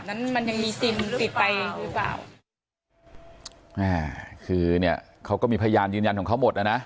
มันยังมีรึเปล่าคือเนี้ยเขาก็มีพยานยืนยันของเขาหมดน่ะน่ะ